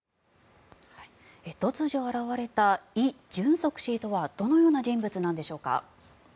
突如現れたイ・ジュンソク氏とはどのような人物なのでしょうか。